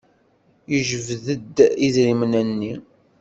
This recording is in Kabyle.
Yejbed-d idrimen-nni.